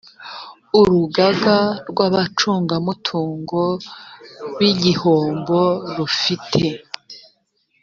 urugaga rw abacungamutungo b igihombo rufite